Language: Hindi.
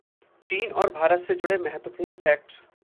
चीन और भारत से जुड़े महत्वपूर्ण फैक्ट्स